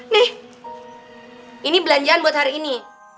nih ini belanjaan buat hari ini